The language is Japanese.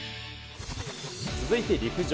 続いて陸上。